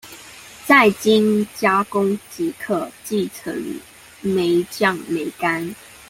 再經加工即可製成梅醬、梅乾